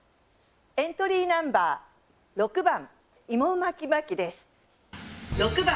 エントリーナンバー６番、イモ巻き巻きです。